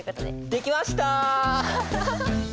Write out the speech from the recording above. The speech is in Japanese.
できました！